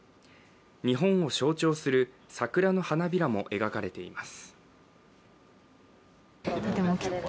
日本を象徴する桜の花びらも描かれています。